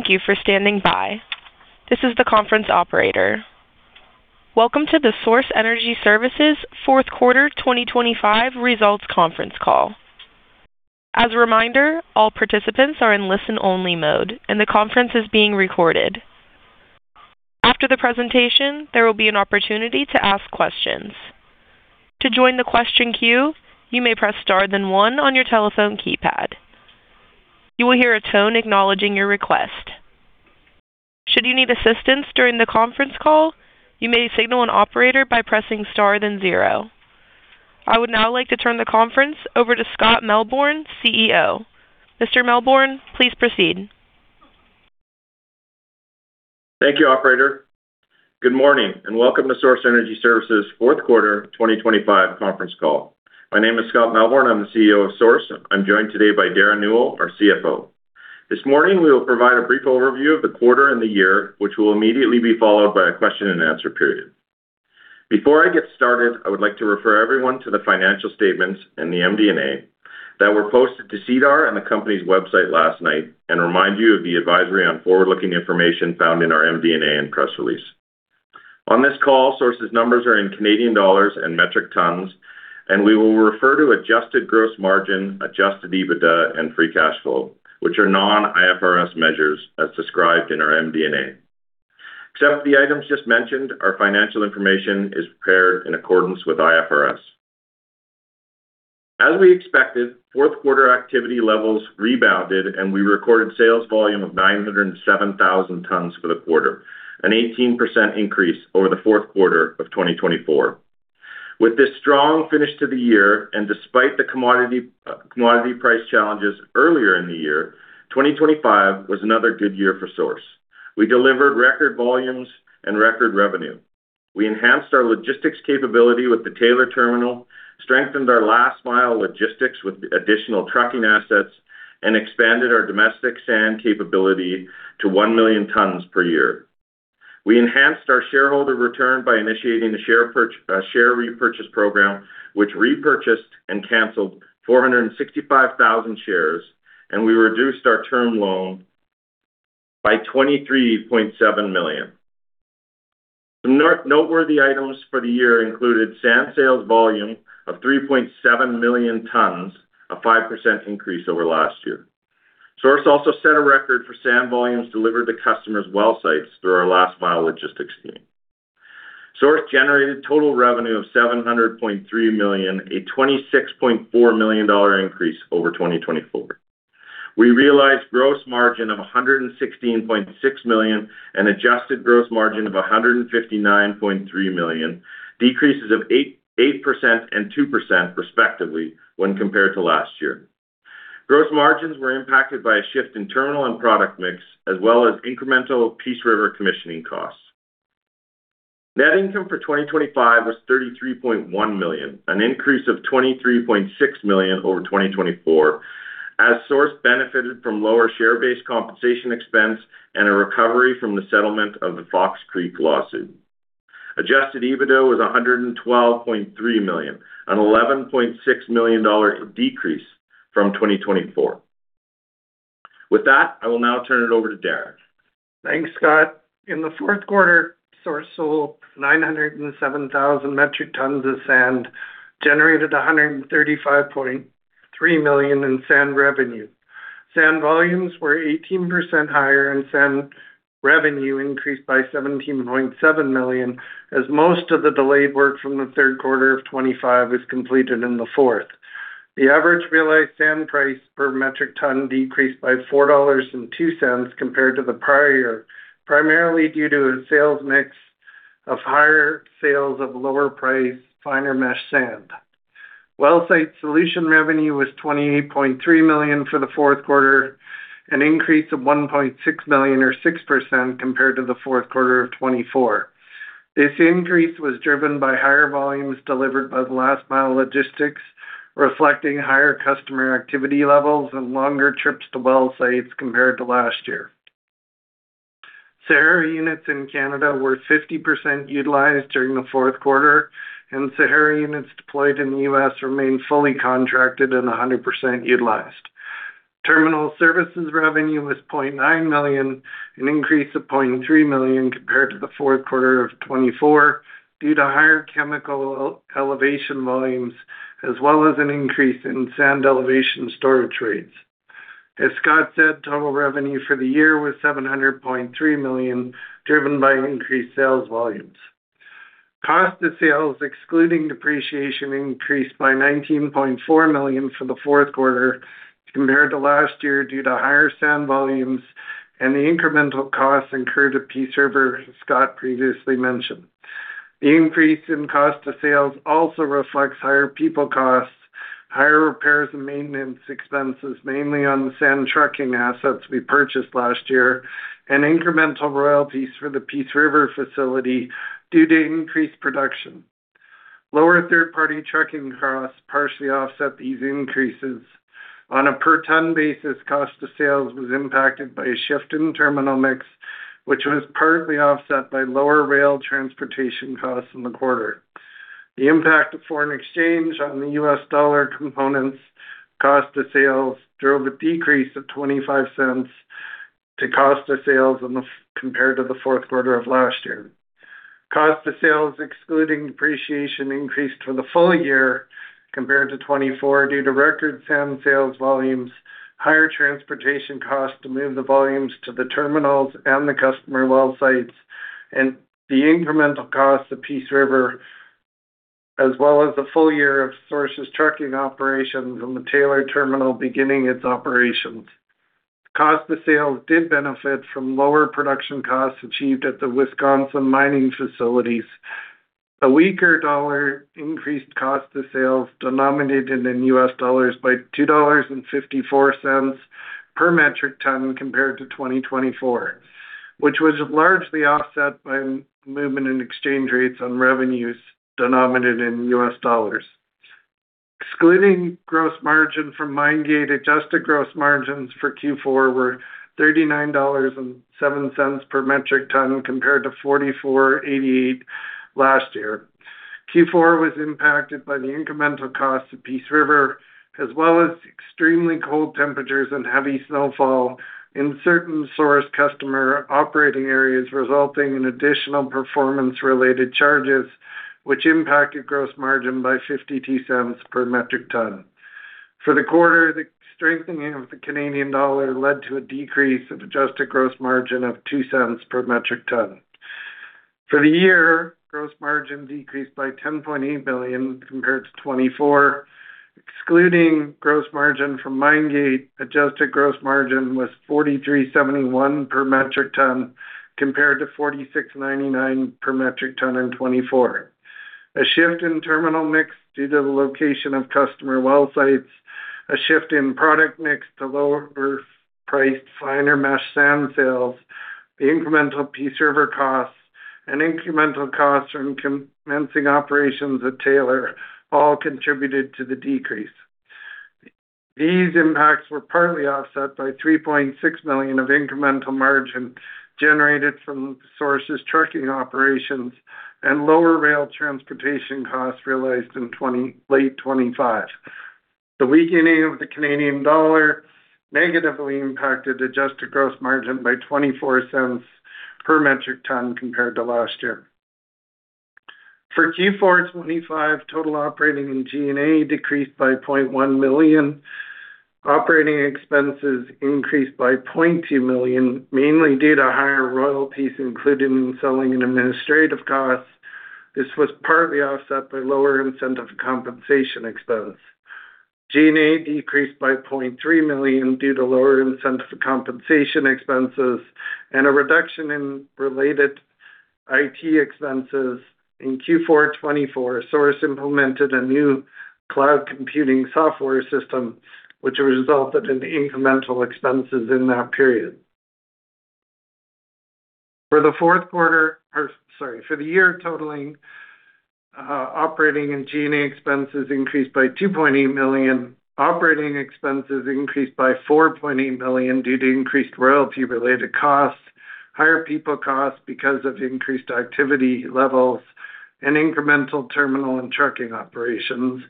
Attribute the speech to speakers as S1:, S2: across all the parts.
S1: Thank you for standing by. This is the conference operator. Welcome to the Source Energy Services fourth quarter 2025 results conference call. As a reminder, all participants are in listen-only mode, and the conference is being recorded. After the presentation, there will be an opportunity to ask questions. To join the question queue, you may press Star, then one on your telephone keypad. You will hear a tone acknowledging your request. Should you need assistance during the conference call, you may signal an operator by pressing Star, then zero. I would now like to turn the conference over to Scott Melbourn, CEO. Mr. Melbourn, please proceed.
S2: Thank you, operator. Good morning, welcome to Source Energy Services fourth quarter 2025 conference call. My name is Scott Melbourn. I'm the CEO of Source. I'm joined today by Derren Newell, our CFO. This morning, we will provide a brief overview of the quarter and the year, which will immediately be followed by a question-and-answer period. Before I get started, I would like to refer everyone to the financial statements and the MD&A that were posted to SEDAR on the company's website last night and remind you of the advisory on forward-looking information found in our MD&A and press release. On this call, Source's numbers are in Canadian dollars and metric tons, and we will refer to Adjusted Gross Margin, Adjusted EBITDA, and Free Cash Flow, which are non-IFRS measures as described in our MD&A. Except the items just mentioned, our financial information is prepared in accordance with IFRS. As we expected, fourth quarter activity levels rebounded, we recorded sales volume of 907,000 tons for the quarter, an 18% increase over the fourth quarter of 2024. With this strong finish to the year, and despite the commodity price challenges earlier in the year, 2025 was another good year for Source. We delivered record volumes and record revenue. We enhanced our logistics capability with the Taylor Terminal, strengthened our last-mile logistics with additional trucking assets, and expanded our domestic sand capability to 1 million tons per year. We enhanced our shareholder return by initiating the share repurchase program, which repurchased and canceled 465,000 shares, we reduced our term loan by 23.7 million. Noteworthy items for the year included sand sales volume of 3.7 million tons, a 5% increase over last year. Source also set a record for sand volumes delivered to customers' well sites through our last mile logistics team. Source generated total revenue of 700.3 million, a 26.4 million dollar increase over 2024. We realized gross margin of 116.6 million and adjusted gross margin of 159.3 million, decreases of 8% and 2%, respectively, when compared to last year. Gross margins were impacted by a shift in terminal and product mix, as well as incremental Peace River commissioning costs. Net income for 2025 was 33.1 million, an increase of 23.6 million over 2024, as Source benefited from lower share-based compensation expense and a recovery from the settlement of the Fox Creek lawsuit. Adjusted EBITDA was 112.3 million, a 11.6 million dollar decrease from 2024. I will now turn it over to Derren.
S3: Thanks, Scott. In the fourth quarter, Source sold 907,000 metric tons of sand, generated 135.3 million in sand revenue. Sand volumes were 18% higher, and sand revenue increased by 17.7 million, as most of the delayed work from the third quarter of 2025 was completed in the fourth. The average realized sand price per metric ton decreased by 4.02 dollars compared to the prior year, primarily due to a sales mix of higher sales of lower-priced, finer mesh sand. Well site solution revenue was 28.3 million for the fourth quarter, an increase of 1.6 million, or 6%, compared to the fourth quarter of 2024. This increase was driven by higher volumes delivered by the last-mile logistics, reflecting higher customer activity levels and longer trips to well sites compared to last year. Sahara units in Canada were 50% utilized during the fourth quarter, and Sahara units deployed in the U.S. remained fully contracted and 100% utilized. Terminal services revenue was 0.9 million, an increase of 0.3 million compared to the fourth quarter of 2024, due to higher chemical elevation volumes, as well as an increase in sand elevation storage rates. As Scott said, total revenue for the year was 700.3 million, driven by increased sales volumes. Cost of sales, excluding depreciation, increased by 19.4 million for the fourth quarter compared to last year, due to higher sand volumes and the incremental costs incurred at Peace River, as Scott previously mentioned. The increase in cost of sales also reflects higher people costs, higher repairs and maintenance expenses, mainly on the sand trucking assets we purchased last year, and incremental royalties for the Peace River facility due to increased production. Lower third-party trucking costs partially offset these increases. On a per-ton basis, cost of sales was impacted by a shift in terminal mix, which was partly offset by lower rail transportation costs in the quarter. The impact of foreign exchange on the US dollar components cost of sales drove a decrease of $0.25 to cost of sales compared to the fourth quarter of last year. Cost of sales, excluding depreciation, increased for the full year compared to 2024, due to record sand sales volumes, higher transportation costs to move the volumes to the terminals and the customer well sites, and the incremental cost of Peace River, as well as the full year of Source's trucking operations and the Taylor Terminal beginning its operations. Cost of sales did benefit from lower production costs achieved at the Wisconsin mining facilities. A weaker dollar increased cost of sales denominated in U.S. dollars by $2.54 per metric ton compared to 2024, which was largely offset by movement in exchange rates on revenues denominated in U.S. dollars. Excluding gross margin from mine gate, Adjusted Gross Margins for Q4 were $39.07 per metric ton, compared to $44.88 last year. Q4 was impacted by the incremental cost of Peace River, as well as extremely cold temperatures and heavy snowfall in certain Source customer operating areas, resulting in additional performance-related charges, which impacted gross margin by 0.52 per metric ton. For the quarter, the strengthening of the Canadian dollar led to a decrease of Adjusted Gross Margin of 0.02 per metric ton. For the year, gross margin decreased by 10.8 billion compared to 2024. Excluding gross margin from mine gate, Adjusted Gross Margin was 43.71 per metric ton, compared to 46.99 per metric ton in 2024. A shift in terminal mix due to the location of customer well sites, a shift in product mix to lower priced, finer mesh sand sales, the incremental Peace River costs, and incremental costs from commencing operations at Taylor, all contributed to the decrease. These impacts were partly offset by 3.6 million of incremental margin generated from Source's trucking operations and lower rail transportation costs realized in late 2025. The weakening of the Canadian dollar negatively impacted Adjusted Gross Margin by 0.24 per metric ton compared to last year. For Q4 2025, total operating and G&A decreased by 0.1 million. Operating expenses increased by 0.2 million, mainly due to higher royalties included in selling and administrative costs. This was partly offset by lower incentive compensation expense. G&A decreased by 0.3 million due to lower incentive compensation expenses and a reduction in related IT expenses. In Q4 2024, Source implemented a new cloud computing software system, which resulted in incremental expenses in that period. For the year totaling, operating and G&A expenses increased by 2.8 million. Operating expenses increased by 4.8 million due to increased royalty-related costs, higher people costs because of increased activity levels and incremental terminal and trucking operations,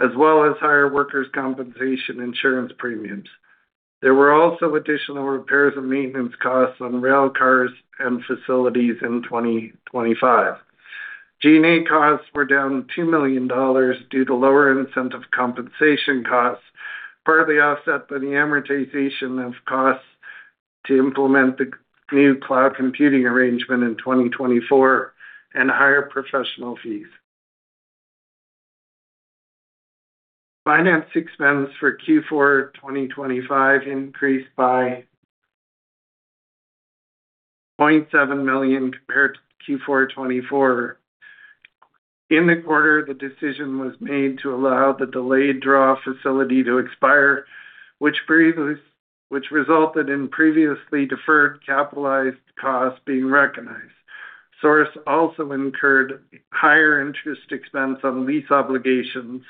S3: as well as higher workers' compensation insurance premiums. There were also additional repairs and maintenance costs on rail cars and facilities in 2025. G&A costs were down 2 million dollars due to lower incentive compensation costs, partly offset by the amortization of costs to implement the new cloud computing arrangement in 2024 and higher professional fees. Finance expense for Q4 2025 increased by 0.7 million compared to Q4 2024. In the quarter, the decision was made to allow the delayed draw facility to expire, which resulted in previously deferred capitalized costs being recognized. Source also incurred higher interest expense on lease obligations.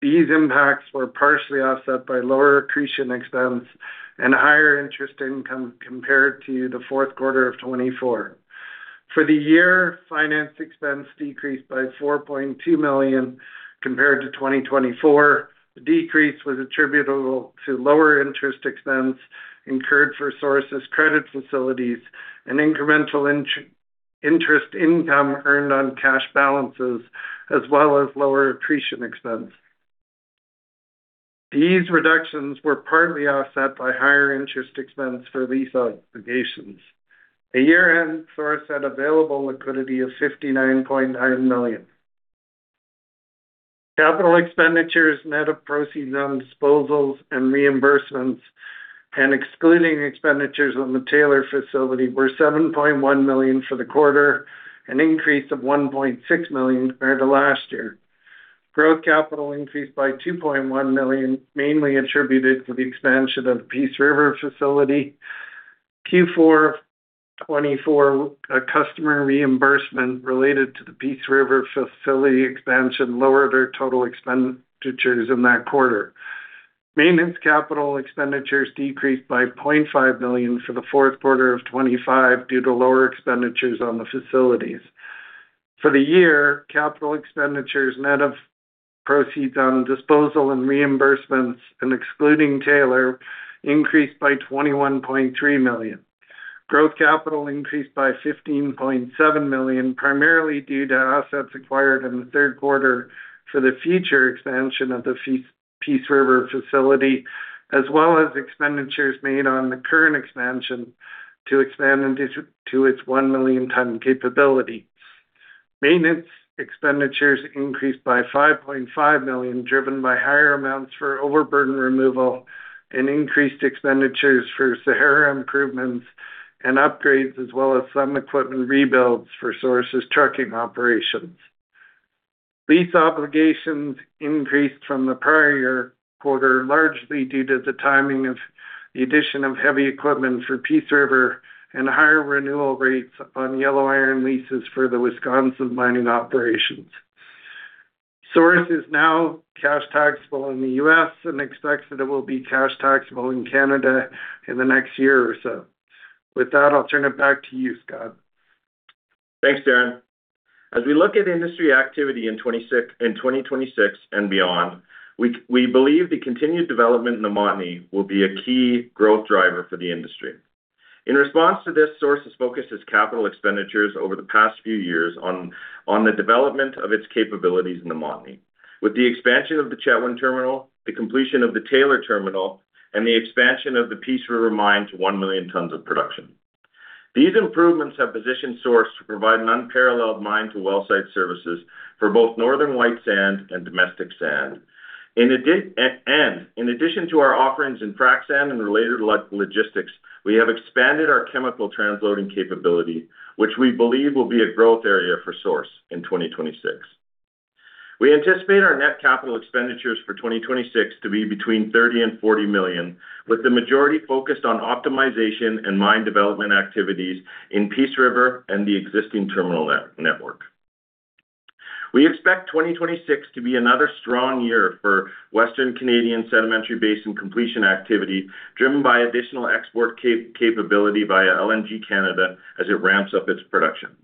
S3: These impacts were partially offset by lower accretion expense and higher interest income compared to the fourth quarter of 2024. For the year, finance expense decreased by 4.2 million compared to 2024. The decrease was attributable to lower interest expense incurred for Source's credit facilities and incremental interest income earned on cash balances, as well as lower accretion expense. These reductions were partly offset by higher interest expense for lease obligations. At year-end, Source had available liquidity of 59.9 million. Capital expenditures, net of proceeds on disposals and reimbursements, and excluding expenditures on the Taylor facility, were 7.1 million for the quarter, an increase of 1.6 million compared to last year. Growth capital increased by 2.1 million, mainly attributed to the expansion of the Peace River facility. Q4 2024, a customer reimbursement related to the Peace River facility expansion lowered our total expenditures in that quarter. Maintenance capital expenditures decreased by 0.5 million for the fourth quarter of 2025 due to lower expenditures on the facilities. For the year, capital expenditures, net of proceeds on disposal and reimbursements and excluding Taylor, increased by 21.3 million. Growth capital increased by 15.7 million, primarily due to assets acquired in the third quarter for the future expansion of the Peace River facility, as well as expenditures made on the current expansion to expand to its 1 million ton capability. Maintenance expenditures increased by 5.5 million, driven by higher amounts for overburden removal and increased expenditures for Sahara improvements and upgrades, as well as some equipment rebuilds for Source's trucking operations. Lease obligations increased from the prior year quarter, largely due to the timing of the addition of heavy equipment for Peace River and higher renewal rates on yellow iron leases for the Wisconsin mining operations. Source is now cash taxable in the US and expects that it will be cash taxable in Canada in the next year or so. With that, I'll turn it back to you, Scott.
S2: Thanks, Derren. As we look at industry activity in 2026 and beyond, we believe the continued development in the Montney will be a key growth driver for the industry. In response to this, Source has focused its capital expenditures over the past few years on the development of its capabilities in the Montney. With the expansion of the Chetwynd terminal, the completion of the Taylor terminal, and the expansion of the Peace River mine to 1 million tons of production. These improvements have positioned Source to provide an unparalleled mine-to-wellsite services for both northern white sand and domestic sand. In addition to our offerings in frac sand and related logistics, we have expanded our chemical transloading capability, which we believe will be a growth area for Source in 2026. We anticipate our net capital expenditures for 2026 to be between 30 million and 40 million, with the majority focused on optimization and mine development activities in Peace River and the existing terminal network. We expect 2026 to be another strong year for Western Canadian sedimentary basin completion activity, driven by additional export capability via LNG Canada as it ramps up its production.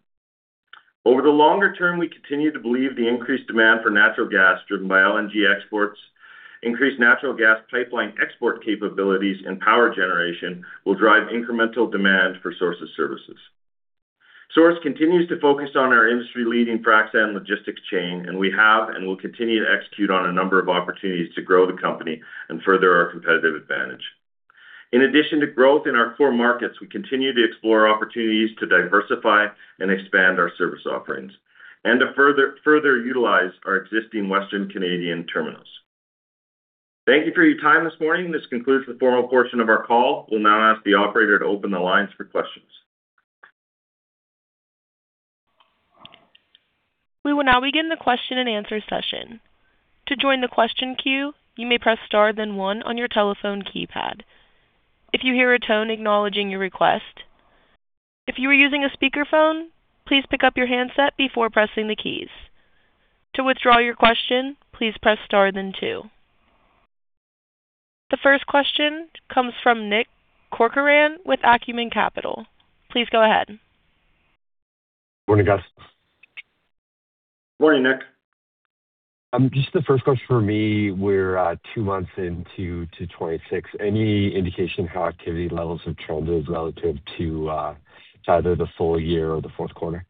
S2: Over the longer term, we continue to believe the increased demand for natural gas, driven by LNG exports, increased natural gas pipeline export capabilities and power generation, will drive incremental demand for Source's services. Source continues to focus on our industry-leading frac sand logistics chain, and we have and will continue to execute on a number of opportunities to grow the company and further our competitive advantage. In addition to growth in our core markets, we continue to explore opportunities to diversify and expand our service offerings and to further utilize our existing Western Canadian terminals. Thank you for your time this morning. This concludes the formal portion of our call. We'll now ask the operator to open the lines for questions.
S1: We will now begin the question and answer session. To join the question queue, you may press star then one on your telephone keypad. If you hear a tone acknowledging your request, if you are using a speakerphone, please pick up your handset before pressing the keys. To withdraw your question, please press star then two. The first question comes from Nick Corcoran with Acumen Capital. Please go ahead.
S4: Morning, guys.
S2: Morning, Nick.
S4: Just the first question for me, we're two months into 2026. Any indication how activity levels have trended relative to either the full year or the fourth quarter?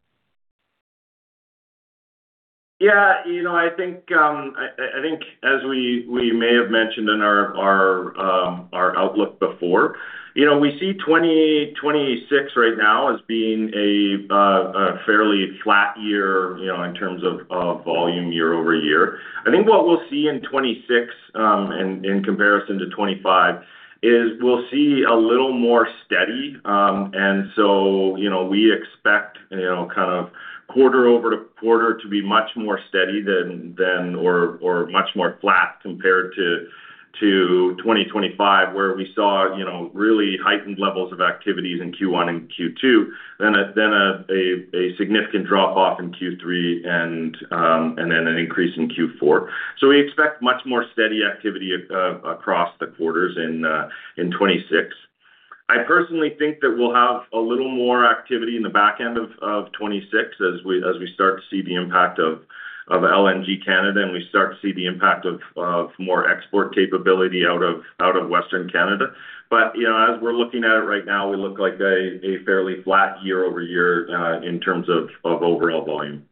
S2: Yeah, you know, I think, I think as we may have mentioned in our outlook before, you know, we see 2026 right now as being a fairly flat year, you know, in terms of volume year-over-year. I think what we'll see in 2026, and, in comparison to 2025, is we'll see a little more steady. You know, we expect, you know, kind of quarter-over-quarter to be much more steady than or much more flat compared to 2025, where we saw, you know, really heightened levels of activities in Q1 and Q2, then a significant drop-off in Q3 and then an increase in Q4. We expect much more steady activity across the quarters in 2026. I personally think that we'll have a little more activity in the back end of 26 as we start to see the impact of LNG Canada, and we start to see the impact of more export capability out of Western Canada. You know, as we're looking at it right now, we look like a fairly flat year-over-year in terms of overall volume.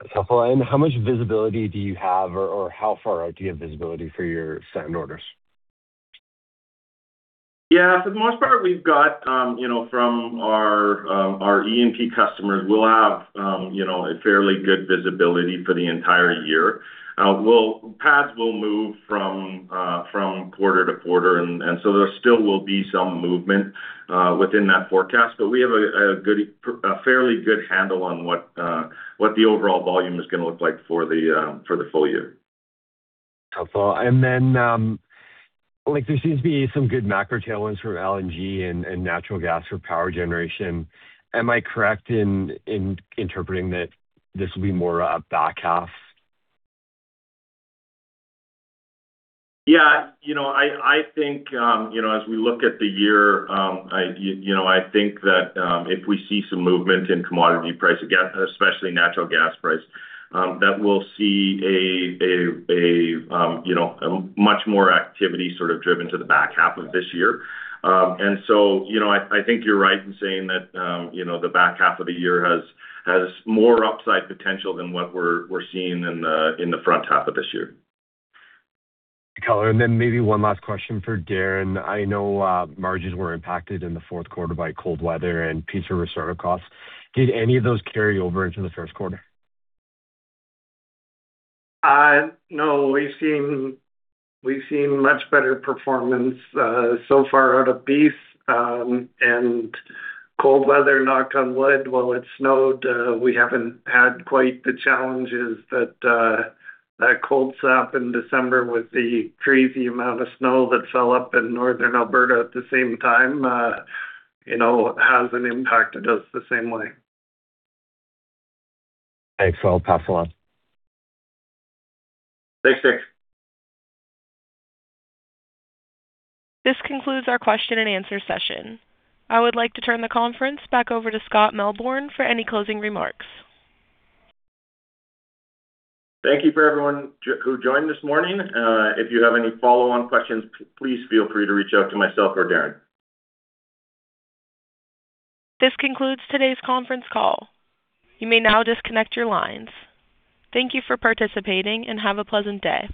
S4: That's helpful. How much visibility do you have, or how far out do you have visibility for your sand orders?
S2: Yeah, for the most part, we've got, you know, from our E&P customers, we'll have, you know, a fairly good visibility for the entire year. Paths will move from quarter to quarter. There still will be some movement within that forecast, but we have a good, a fairly good handle on what the overall volume is going to look like for the full year.
S4: Helpful. Like, there seems to be some good macro tailwinds for LNG and natural gas for power generation. Am I correct in interpreting that this will be more a back half?
S2: Yeah, you know, I think, you know, as we look at the year, I, you know, I think that, if we see some movement in commodity price, again, especially natural gas price, that we'll see a, you know, a much more activity sort of driven to the back half of this year. You know, I think you're right in saying that, you know, the back half of the year has more upside potential than what we're seeing in the, in the front half of this year.
S4: maybe one last question for Derren. I know margins were impacted in the 4th quarter by cold weather and Peace River startup costs. Did any of those carry over into the 1st quarter?
S3: No. We've seen much better performance, so far out of Peace. Cold weather, knock on wood, while it snowed, we haven't had quite the challenges that cold snap in December with the crazy amount of snow that fell up in northern Alberta at the same time, you know, hasn't impacted us the same way.
S4: Thanks for all. Pass along.
S2: Thanks, Nick.
S1: This concludes our question and answer session. I would like to turn the conference back over to Scott Melbourn for any closing remarks.
S2: Thank you for everyone who joined this morning. If you have any follow-on questions, please feel free to reach out to myself or Derren.
S1: This concludes today's conference call. You may now disconnect your lines. Thank you for participating, and have a pleasant day.